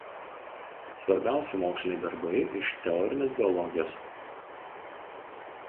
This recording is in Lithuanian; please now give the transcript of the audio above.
Svarbiausi moksliniai darbai iš teorinės biologijos.